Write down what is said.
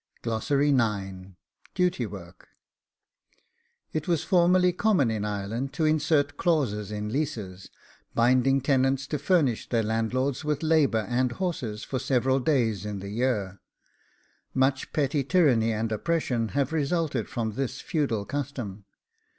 DUTY WORK. It was formerly common in Ireland to insert clauses in leases, binding tenants to furnish their landlords with labourers and horses for several days in the year. Much petty tyranny and oppression have resulted from this feudal custom.